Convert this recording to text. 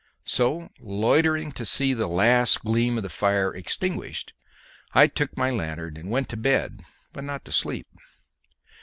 So, loitering to see the last gleam of the fire extinguished, I took my lanthorn and went to bed, but not to sleep.